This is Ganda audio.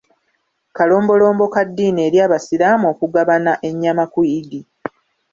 Kalombolombo ka ddiini eri abasiraamu okugabana ennyama ku Eid.